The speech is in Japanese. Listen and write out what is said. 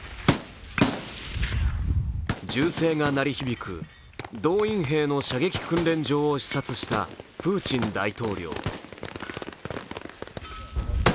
銃声が鳴り響く動員兵の射撃訓練場を視察したプーチン大統領。